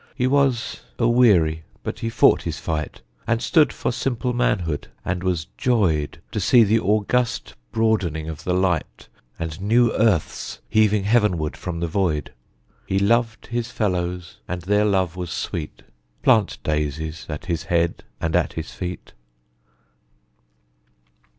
He was a weary, but he fought his fight, And stood for simple manhood; and was joyed To see the august broadening of the light And new earths heaving heavenward from the void. He loved his fellows, and their love was sweet Plant daisies at his head and at his feet.